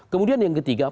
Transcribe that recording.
kemudian yang ketiga